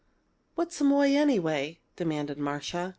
"What's Amoy, anyway?" demanded Marcia.